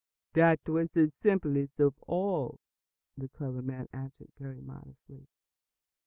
"That was the simplest of all," the clever man answered most modestly.